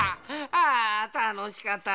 ああたのしかったな。